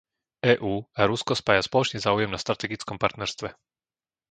EÚ a Rusko spája spoločný záujem na strategickom partnerstve.